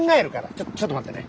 ちょちょっと待ってね。